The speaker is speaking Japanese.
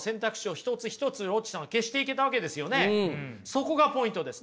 そこがポイントです。